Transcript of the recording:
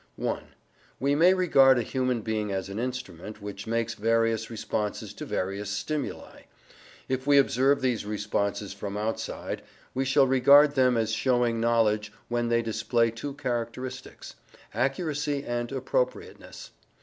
I. We may regard a human being as an instrument, which makes various responses to various stimuli. If we observe these responses from outside, we shall regard them as showing knowledge when they display two characteristics, ACCURACY and APPROPRIATENESS.